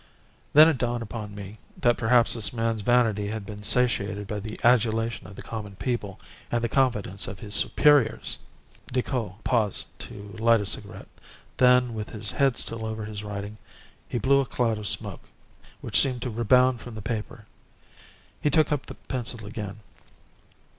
Then it dawned upon me that perhaps this man's vanity has been satiated by the adulation of the common people and the confidence of his superiors!" Decoud paused to light a cigarette, then, with his head still over his writing, he blew a cloud of smoke, which seemed to rebound from the paper. He took up the pencil again.